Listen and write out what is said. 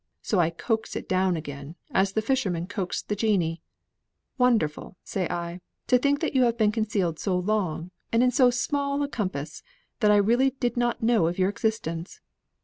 So I coax it down again, as the fisherman coaxed the genii. 'Wonderful,' says I, 'to think that you have been concealed so long, and in so small a compass, that I really did not know of your existence.